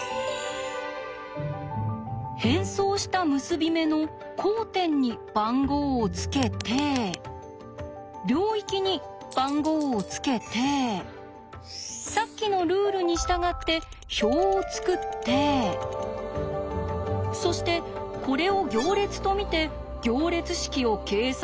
変装した結び目の交点に番号をつけて領域に番号をつけてさっきのルールに従って表を作ってそしてこれを行列と見て行列式を計算すると。